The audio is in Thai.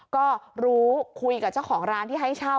ก็รู้คุยกับเจ้าของร้านที่ให้เช่า